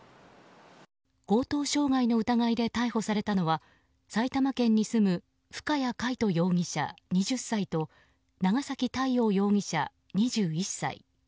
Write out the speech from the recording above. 強盗傷害の疑いで逮捕されたのは埼玉県に住む深谷海斗容疑者、２０歳と長崎太陽容疑者、２１歳。